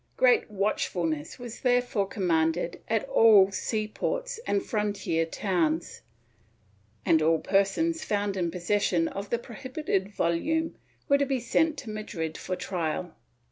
Great watch fulness was therefore commanded at all sea ports and frontier towns, and all persons found in possession of the prohibited volume were to be sent to Madrid for trial.